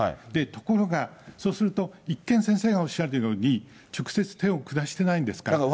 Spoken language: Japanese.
ところがそうすると一見、先生がおっしゃるように、直接手を下してないんですからって。